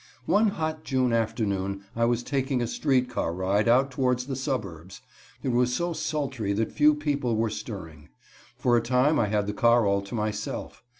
One hot June afternoon I was taking a street car ride out towards the suburbs. It was so sultry that few people were stirring. For a time I had the car all to myself.